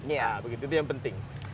nah begitu itu yang penting